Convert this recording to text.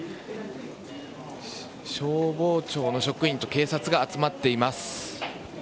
消防庁の職員と警察が集まっています。